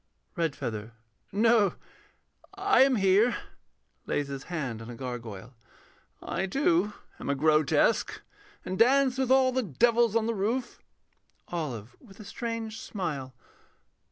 REDFEATHER. No, I am here. [Lays his hand on a gargoyle.] I, too, am a grotesque, And dance with all the devils on the roof. OLIVE [_with a strange smile.